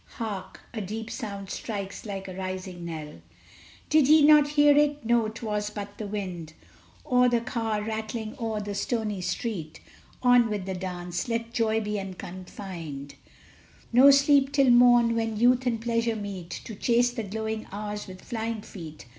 hark! a deep sound strikes like a rising knell! Did ye not hear it? No; 'twas but the wind, Or the car rattling o'er the stony street; On with the dance! let joy be unconfined; No sleep till morn, when Youth and Pleasure meet To chase the glowing Hours with flying feet.